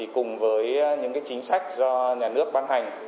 cùng với những chính sách do nhà nước ban hành